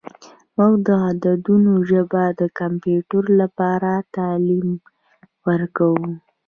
موږ د عددونو ژبه د کمپیوټر لپاره تعلیم ورکوو.